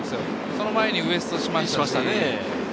その前にウエストしましたし。